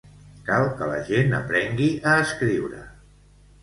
Cal que la gent aprengui a escriure.